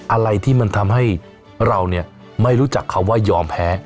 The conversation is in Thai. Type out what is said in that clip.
อะไรที่มันทำให้เราเนี่ยไม่รู้จักคำว่ายอมแพ้